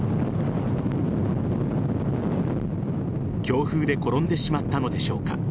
強風で転んでしまったのでしょうか。